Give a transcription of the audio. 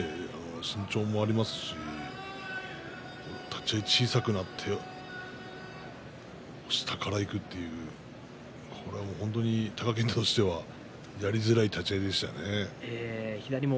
身長もありますし立ち合い小さくなって下からいくというこれはもう貴健斗としてはやりづらい立ち合いでしたね。